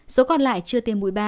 số còn lại chưa tiêm mũi ba